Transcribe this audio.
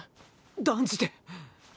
断じて！